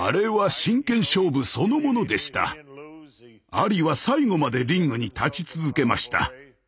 アリは最後までリングに立ち続けました。